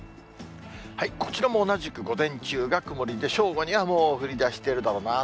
こちらも同じく午前中が曇りで、正午にはもう降りだしてるだろうな。